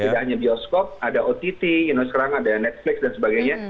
tidak hanya bioskop ada ott you know sekarang ada netflix dan sebagainya